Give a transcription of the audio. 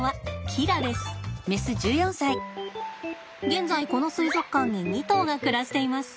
現在この水族館に２頭が暮らしています。